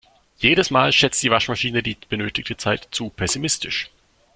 Jedes Mal schätzt die Waschmaschine die benötigte Zeit zu pessimistisch.